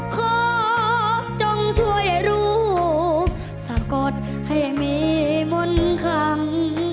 ขอจงช่วยรูปสะกดให้มีมนต์คำ